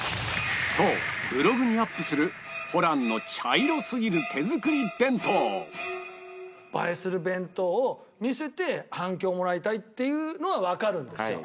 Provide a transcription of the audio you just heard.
そうブログにアップするホランの映えする弁当を見せて反響をもらいたいっていうのはわかるんですよ。